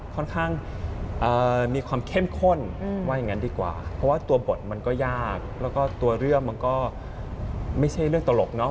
ค่อนข้างมีความเข้มข้นว่าอย่างนั้นดีกว่าเพราะว่าตัวบทมันก็ยากแล้วก็ตัวเรื่องมันก็ไม่ใช่เรื่องตลกเนาะ